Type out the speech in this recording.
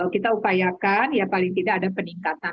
kita upayakan ya paling tidak ada peningkatan